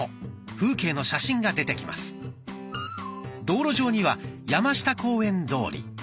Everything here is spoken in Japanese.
道路上には「山下公園通り」。